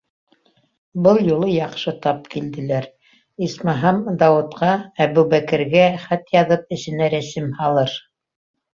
Был юлы яҡшы тап килделәр, исмаһам, Дауытҡа, Әбүбәкергә хат яҙып, эсенә рәсем һалыр.